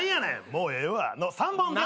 「もうええわ」の３本です。